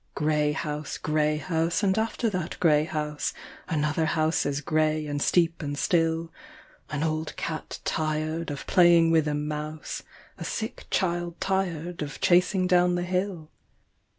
Grey house, grey house, and after that grey house, Another house as grey and steep and still : An old cat tired of playing with a mouse, A sick child tired of chasing down the hill.